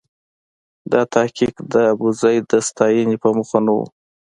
دا تحقیق د ابوزید د ستاینې په موخه نه و.